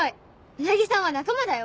うなぎさんは仲間だよ。